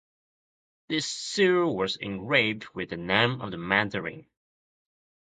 This seal was engraved with the name of the mandarin.